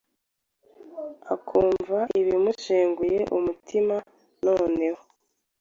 akumva bimushenguye umutima noneho.